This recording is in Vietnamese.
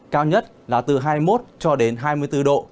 cao nhất là từ hai mươi một cho đến hai mươi bốn độ